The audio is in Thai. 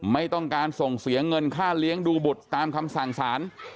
ไม่ต้องการส่งเสียเงินค่าเลี้ยงดูบุตรตามคำสั่งสาร